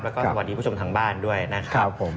แล้วก็สวัสดีผู้ชมทางบ้านด้วยนะครับผม